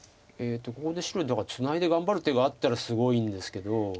ここで白だからツナいで頑張る手があったらすごいんですけど。